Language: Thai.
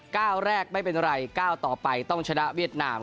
ก้าวแรกไม่เป็นไรก้าวต่อไปต้องชนะเวียดนาม